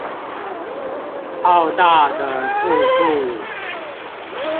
浩大的兔兔